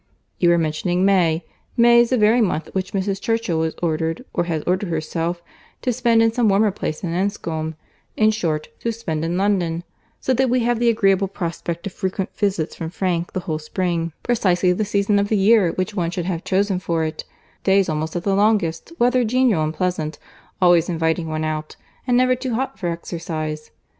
"You were mentioning May. May is the very month which Mrs. Churchill is ordered, or has ordered herself, to spend in some warmer place than Enscombe—in short, to spend in London; so that we have the agreeable prospect of frequent visits from Frank the whole spring—precisely the season of the year which one should have chosen for it: days almost at the longest; weather genial and pleasant, always inviting one out, and never too hot for exercise.